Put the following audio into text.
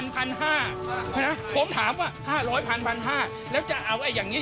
๕๐๐๐๐๐๕๐๐๐๐ผมถามว่า๕๐๐๐๐๐๕๐๐๐๐แล้วจะเอาอย่างนี้นะ